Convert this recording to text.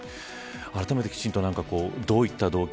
あらためて、きちんとどういった動機